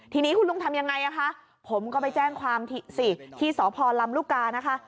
ทีนี้คุณลุงทำยังไงอ่ะคะผมก็ไปแจ้งความสิที่สพลำลูกกานะคะ